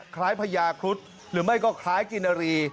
พญาครุฑหรือไม่ก็คล้ายกินนารี